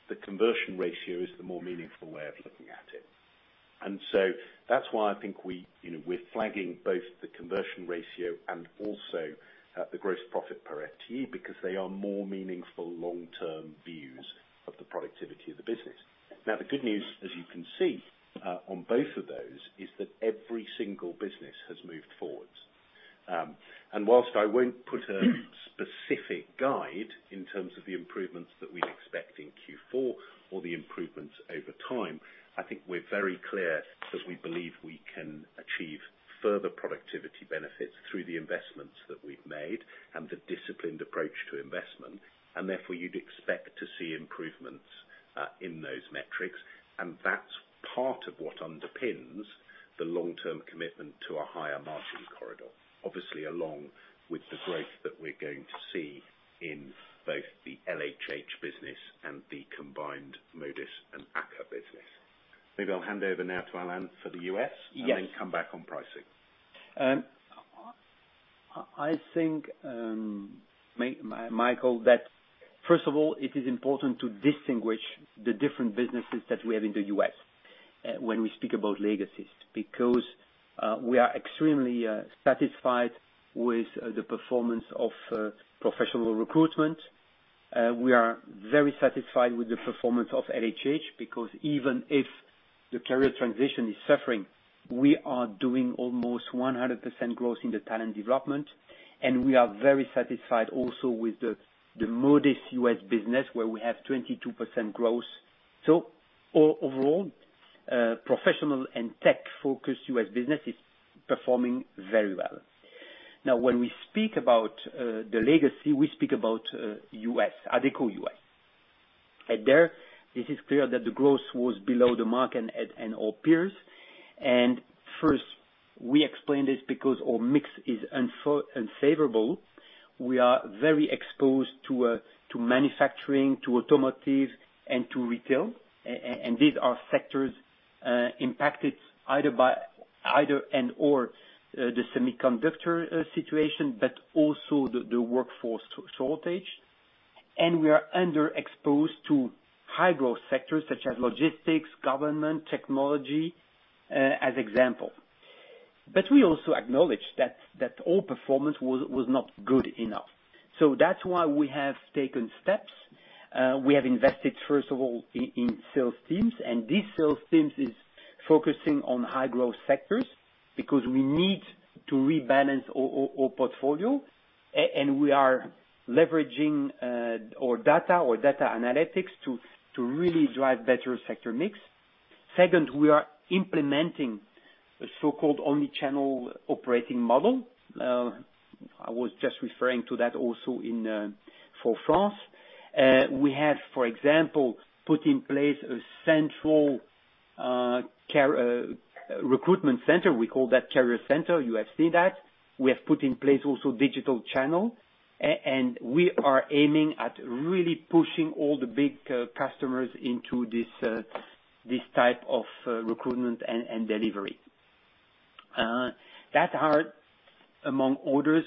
the conversion ratio is the more meaningful way of looking at it. That's why I think we, you know, we're flagging both the conversion ratio and also the gross profit per FTE because they are more meaningful long-term views of the productivity of the business. Now, the good news, as you can see, on both of those, is that every single business has moved forward. While I won't put a specific guide in terms of the improvements that we'd expect in Q4 or the improvements over time, I think we're very clear that we believe we can achieve further productivity benefits through the investments that we've made and the disciplined approach to investment. Therefore you'd expect to see improvements in those metrics, and that's part of what underpins the long-term commitment to a higher margin corridor. Obviously, along with the growth that we're going to see in both the LHH business and the combined Modis and AKKA business. Maybe I'll hand over now to Alain for the U.S.- Yes. come back on pricing. I think, Michael, that first of all, it is important to distinguish the different businesses that we have in the U.S., when we speak about legacies, because we are extremely satisfied with the performance of professional recruitment. We are very satisfied with the performance of LHH because even if the career transition is suffering, we are doing almost 100% growth in the talent development, and we are very satisfied also with the Modis U.S. business where we have 22% growth. Overall, professional and tech-focused U.S. business is performing very well. Now, when we speak about the legacy, we speak about U.S., Adecco U.S. There, this is clear that the growth was below the market and all peers. First, we explained this because our mix is unfavorable. We are very exposed to manufacturing, to automotive and to retail. These are sectors impacted by the semiconductor situation, but also the workforce shortage. We are underexposed to high-growth sectors such as logistics, government, technology, as example. We also acknowledge that all performance was not good enough. That's why we have taken steps. We have invested, first of all, in sales teams, and these sales teams is focusing on high-growth sectors because we need to rebalance our portfolio. We are leveraging our data analytics to really drive better sector mix. Second, we are implementing a so-called omni-channel operating model. I was just referring to that also in for France. We have, for example, put in place a central career recruitment center. We call that career center. You have seen that. We have put in place also digital channel. We are aiming at really pushing all the big customers into this type of recruitment and delivery. That are, among others,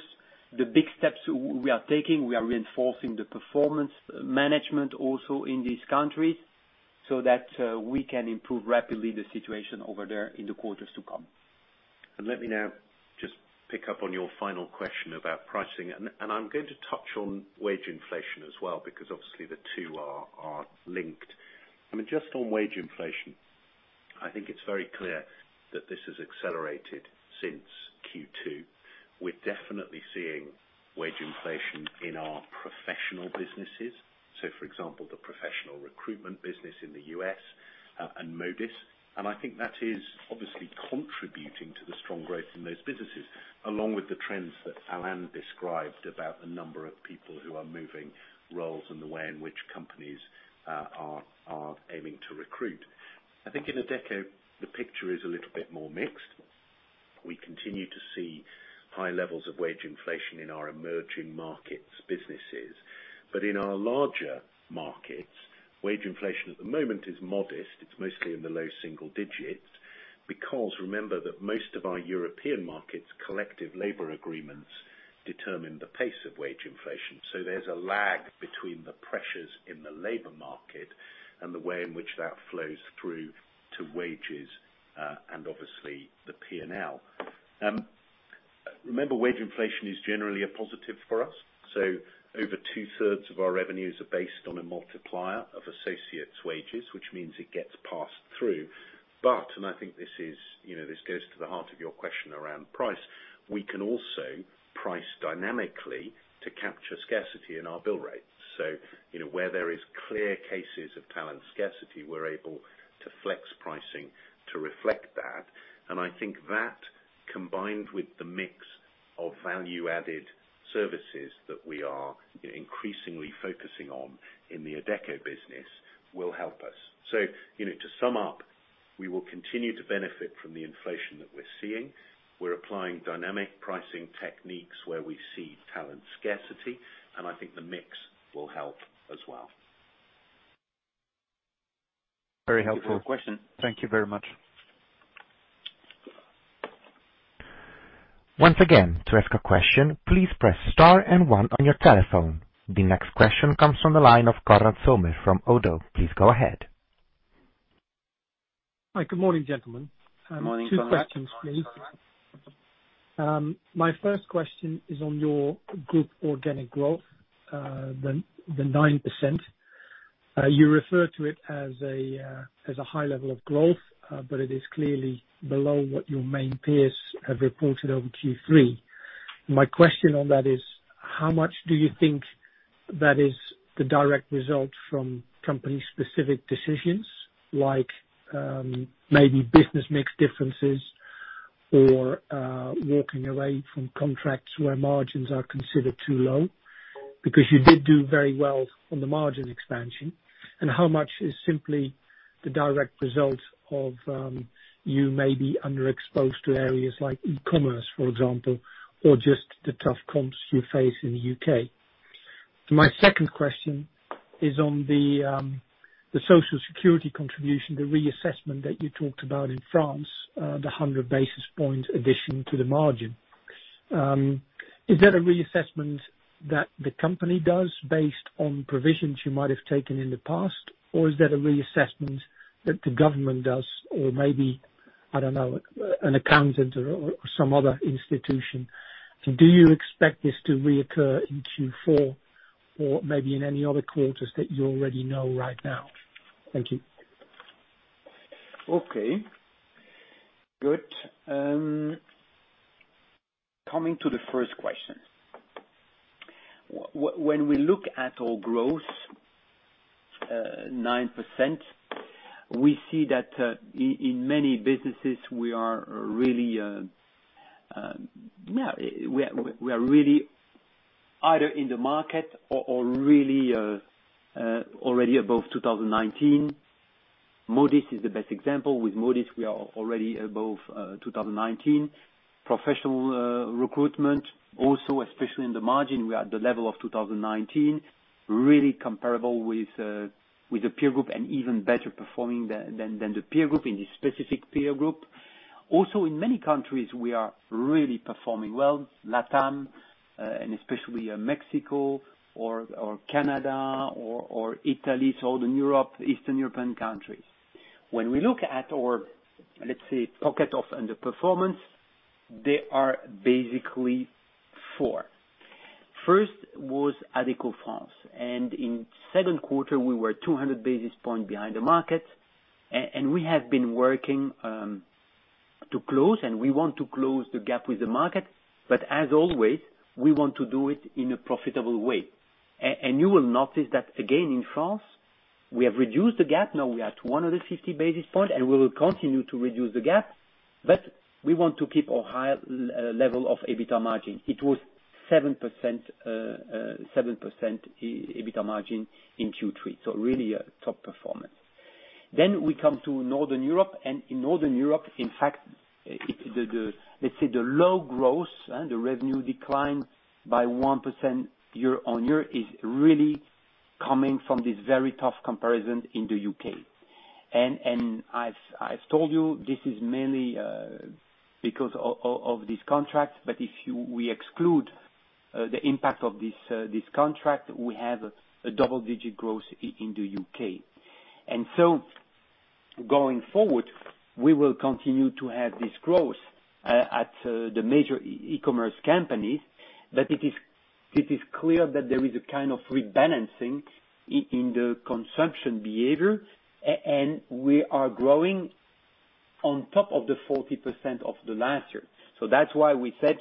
the big steps we are taking. We are reinforcing the performance management also in these countries so that we can improve rapidly the situation over there in the quarters to come. Let me now just pick up on your final question about pricing, and I'm going to touch on wage inflation as well, because obviously the two are linked. I mean, just on wage inflation, I think it's very clear that this has accelerated since Q2. We're definitely seeing wage inflation in our professional businesses. For example, the professional recruitment business in the U.S., and Modis, and I think that is obviously contributing to the strong growth in those businesses, along with the trends that Alain described about the number of people who are moving roles and the way in which companies are aiming to recruit. I think in Adecco, the picture is a little bit more mixed. We continue to see high levels of wage inflation in our emerging markets businesses. But in our larger markets, wage inflation at the moment is modest. It's mostly in the low single digits. Remember that most of our European markets' collective labor agreements determine the pace of wage inflation. There's a lag between the pressures in the labor market and the way in which that flows through to wages, and obviously the P&L. Remember, wage inflation is generally a positive for us, so over 2/3 of our revenues are based on a multiplier of associates' wages, which means it gets passed through. And I think this is, you know, this goes to the heart of your question around price, we can also price dynamically to capture scarcity in our bill rates. You know, where there is clear cases of talent scarcity, we're able to flex pricing to reflect that. I think that, combined with the mix of value-added services that we are, you know, increasingly focusing on in the Adecco business, will help us. You know, to sum up, we will continue to benefit from the inflation that we're seeing. We're applying dynamic pricing techniques where we see talent scarcity, and I think the mix will help as well. Very helpful. Thank you for your question. Thank you very much. Once again, to ask a question, please press star and one on your telephone. The next question comes from the line of Konrad Zomer from ODDO BHF. Please go ahead. Hi. Good morning, gentlemen. Morning. Morning, Konrad. Two questions, please. My first question is on your group organic growth, the 9%. You refer to it as a high level of growth, but it is clearly below what your main peers have reported over Q3. My question on that is how much do you think that is the direct result from company-specific decisions, like, maybe business mix differences or walking away from contracts where margins are considered too low? Because you did do very well on the margin expansion. How much is simply the direct result of, you may be underexposed to areas like e-commerce, for example, or just the tough comps you face in the U.K. My second question is on the social security contribution, the reassessment that you talked about in France, the 100 basis points addition to the margin. Is that a reassessment that the company does based on provisions you might have taken in the past, or is that a reassessment that the government does or maybe, I don't know, an accountant or some other institution? Do you expect this to reoccur in Q4 or maybe in any other quarters that you already know right now? Thank you. Okay. Good. Coming to the first question. When we look at our growth, 9%, we see that in many businesses we are really either in the market or really already above 2019. Modis is the best example. With Modis, we are already above 2019. Professional recruitment also, especially in the margin, we are at the level of 2019, really comparable with the peer group and even better performing than the peer group in this specific peer group. Also, in many countries, we are really performing well, LATAM, and especially Mexico or Canada or Italy, so all the European, Eastern European countries. When we look at our, let's say, pocket of underperformance, there are basically four. First was Adecco France. In Q2 we were 200 basis points behind the market. We have been working to close and we want to close the gap with the market, but as always, we want to do it in a profitable way. You will notice that again, in France, we have reduced the gap. Now we are at 150 basis points, and we will continue to reduce the gap, but we want to keep a higher level of EBITA margin. It was 7% EBITA margin in Q3. So really a top performance. We come to Northern Europe, and in Northern Europe, in fact, it's the low growth and the revenue declined by 1% year-on-year is really coming from this very tough comparison in the U.K. I've told you this is mainly because of this contract. If we exclude the impact of this contract, we have double-digit growth in the U.K. Going forward, we will continue to have this growth at the major e-commerce companies. It is clear that there is a kind of rebalancing in the consumption behavior. We are growing on top of the 40% of the last year. That's why we said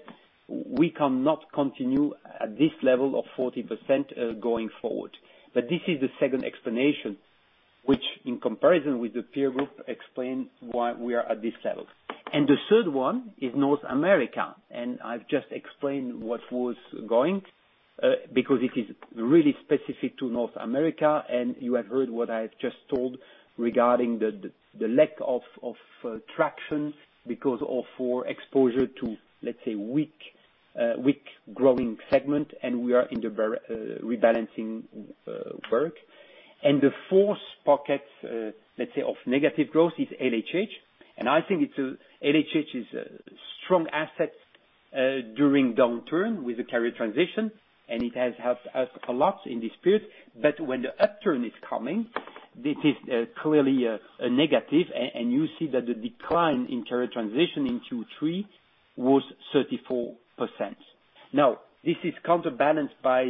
we cannot continue at this level of 40% going forward. This is the second explanation, which in comparison with the peer group, explains why we are at this level. The third one is North America, and I've just explained what was going, because it is really specific to North America, and you have heard what I've just told regarding the lack of traction because of our exposure to, let's say, weak growing segment, and we are in the rebalancing work. The fourth pocket, let's say, of negative growth is LHH. I think LHH is a strong asset during downturn with the career transition, and it has helped us a lot in this period. When the upturn is coming, this is clearly a negative, and you see that the decline in career transition in Q3 was 34%. This is counterbalanced by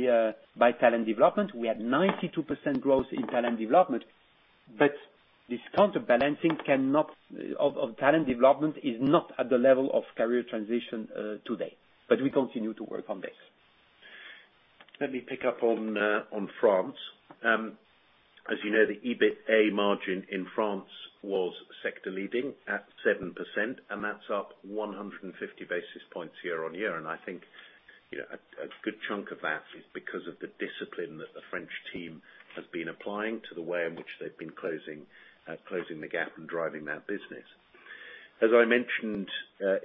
talent development. We had 92% growth in talent development, but this counterbalancing cannot offset talent development. It is not at the level of career transition today. We continue to work on this. Let me pick up on France. As you know, the EBITA margin in France was sector leading at 7%, and that's up 150 basis points year-on-year. I think, you know, a good chunk of that is because of the discipline that the French team has been applying to the way in which they've been closing the gap and driving that business. As I mentioned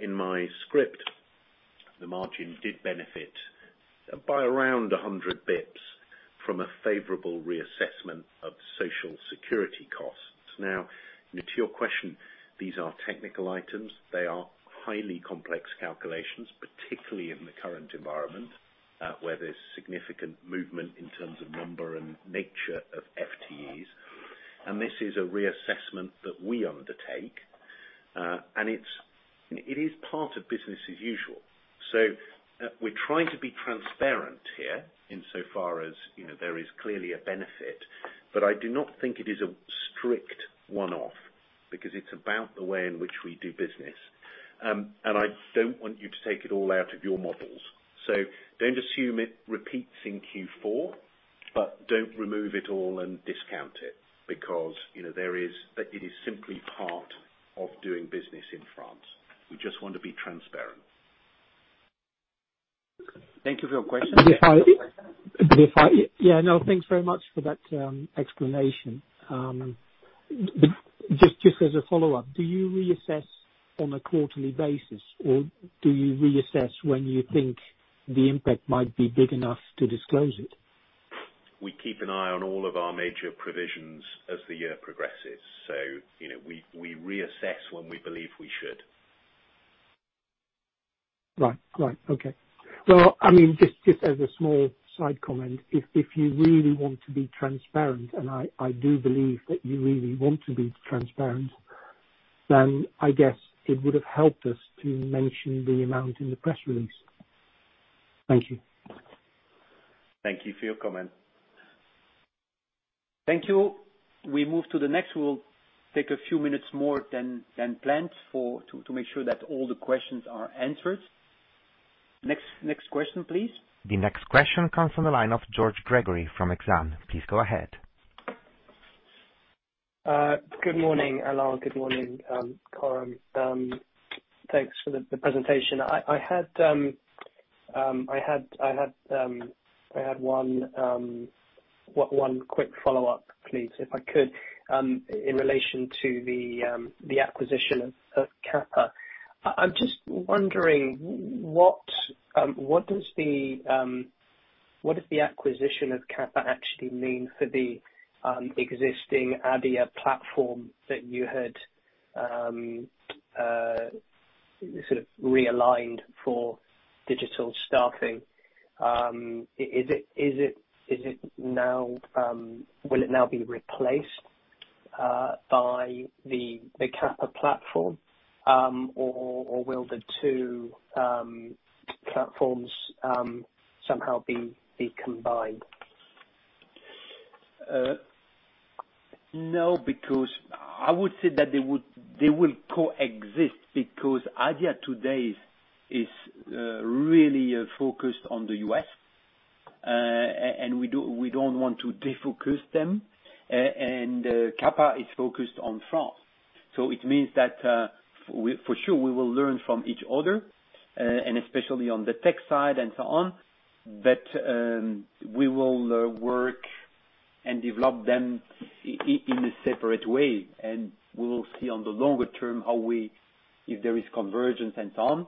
in my script, the margin did benefit by around 100 basis points from a favorable reassessment of Social Security costs. Now, to your question, these are technical items. They are highly complex calculations, particularly in the current environment where there's significant movement in terms of number and nature of FTEs. This is a reassessment that we undertake, and it is part of business as usual. We're trying to be transparent here insofar as, you know, there is clearly a benefit, but I do not think it is a strict one-off because it's about the way in which we do business. I don't want you to take it all out of your models. Don't assume it repeats in Q4, but don't remove it all and discount it because, you know, there is. It is simply part of doing business in France. We just want to be transparent. Thank you for your question. Yeah, no, thanks very much for that explanation. Just as a follow-up, do you reassess on a quarterly basis, or do you reassess when you think the impact might be big enough to disclose it? We keep an eye on all of our major provisions as the year progresses. You know, we reassess when we believe we should. Right. Okay. Well, I mean, just as a small side comment, if you really want to be transparent, and I do believe that you really want to be transparent, then I guess it would have helped us to mention the amount in the press release. Thank you. Thank you for your comment. Thank you. We move to the next. We'll take a few minutes more than planned for to make sure that all the questions are answered. Next question, please. The next question comes from the line of George Gregory from Exane. Please go ahead. Good morning, Alain. Good morning, Coram. Thanks for the presentation. I had one quick follow-up, please, if I could, in relation to the acquisition of QAPA. I'm just wondering what does the acquisition of QAPA actually mean for the existing Adia platform that you had sort of realigned for digital staffing? Will it now be replaced by the QAPA platform, or will the two platforms somehow be combined? No, because I would say that they will coexist because Adia today is really focused on the U.S., and we don't want to defocus them. QAPA is focused on France. It means that, for sure, we will learn from each other, and especially on the tech side and so on. We will work and develop them in a separate way, and we will see on the longer term how we if there is convergence and so on.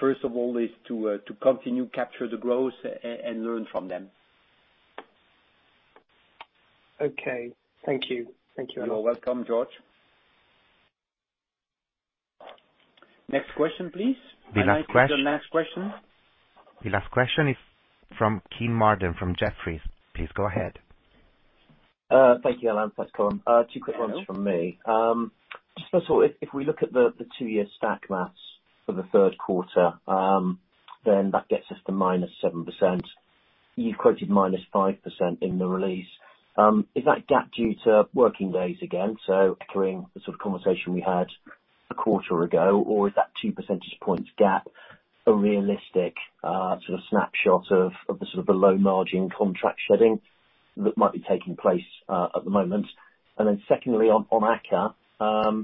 First of all is to continue capture the growth and learn from them. Okay. Thank you. Thank you, Alain. You're welcome, George. Next question, please. The last question. I think the last question. The last question is from Kean Marden, from Jefferies. Please go ahead. Thank you, Alain. First call. Two quick ones from me. First of all, if we look at the two-year stack maths for the Q3, then that gets us to -7%. You've quoted -5% in the release. Is that gap due to working days again, so echoing the sort of conversation we had a quarter ago? Or is that 2 percentage points gap a realistic sort of snapshot of the sort of the low margin contract shedding that might be taking place at the moment? Then secondly, on AKKA.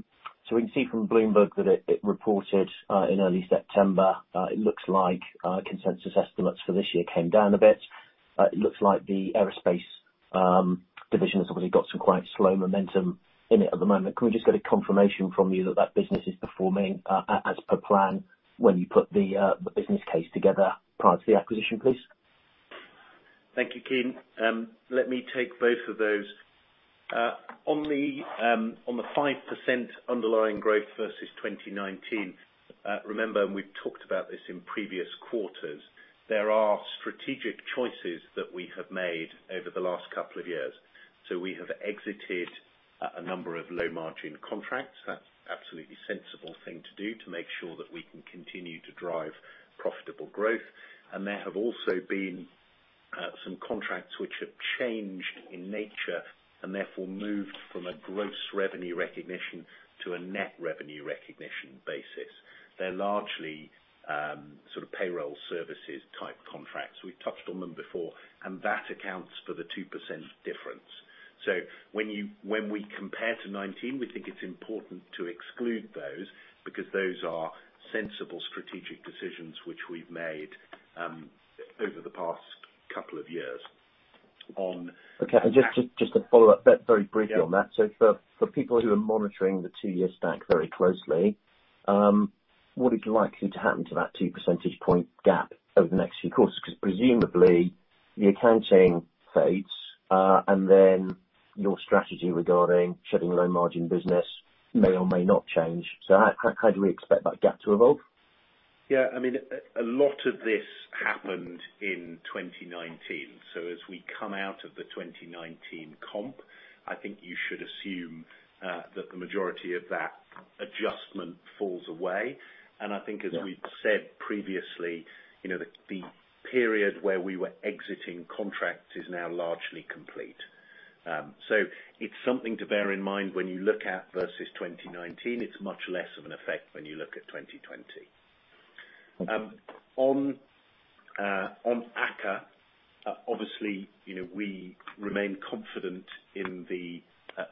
So we can see from Bloomberg that it reported in early September. It looks like consensus estimates for this year came down a bit. It looks like the aerospace division has obviously got some quite slow momentum in it at the moment. Can we just get a confirmation from you that that business is performing as per plan when you put the business case together prior to the acquisition, please? Thank you, Kean. Let me take both of those. On the 5% underlying growth versus 2019, remember, and we've talked about this in previous quarters, there are strategic choices that we have made over the last couple of years. We have exited a number of low-margin contracts. That's absolutely sensible thing to do to make sure that we can continue to drive profitable growth. There have also been some contracts which have changed in nature, and therefore moved from a gross revenue recognition to a net revenue recognition basis. They're largely sort of payroll services type contracts. We've touched on them before, and that accounts for the 2% difference. When we compare to 2019, we think it's important to exclude those because those are sensible strategic decisions which we've made over the past couple of years. On- Okay. Just to follow up very briefly on that. Yeah. For people who are monitoring the two-year stack very closely, what is likely to happen to that 2 percentage point gap over the next few quarters? Because presumably the accounting fades, and then your strategy regarding shedding low margin business may or may not change. How do we expect that gap to evolve? Yeah, I mean, a lot of this happened in 2019, so as we come out of the 2019 comp, I think you should assume that the majority of that adjustment falls away. I think as we've said previously, you know, the period where we were exiting contracts is now largely complete. It's something to bear in mind when you look at versus 2019. It's much less of an effect when you look at 2020. On AKKA, obviously, you know, we remain confident in the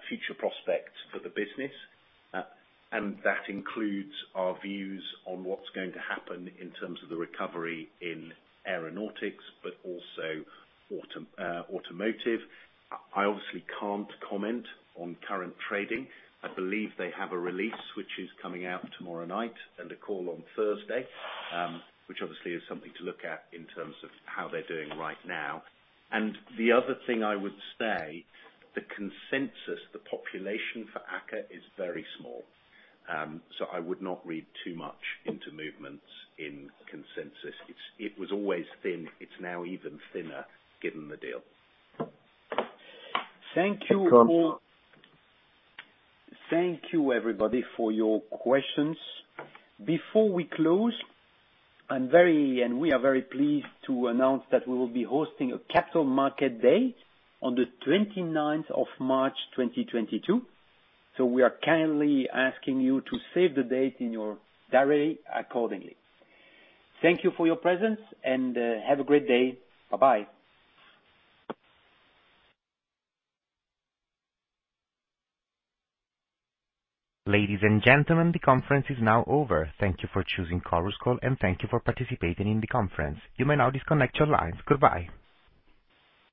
future prospects for the business. That includes our views on what's going to happen in terms of the recovery in aeronautics, but also automotive. I obviously can't comment on current trading. I believe they have a release which is coming out tomorrow night and a call on Thursday, which obviously is something to look at in terms of how they're doing right now. The other thing I would say, the consensus, the population for Adecco is very small. So I would not read too much into movements in consensus. It was always thin. It's now even thinner given the deal. Thank you all. Thank you everybody for your questions. Before we close, we are very pleased to announce that we will be hosting a Capital Markets Day on the March 29th, 2022. We are kindly asking you to save the date in your diary accordingly. Thank you for your presence, and have a great day. Bye-bye. Ladies and gentlemen, the conference is now over. Thank you for choosing Chorus Call, and thank you for participating in the conference. You may now disconnect your lines. Goodbye.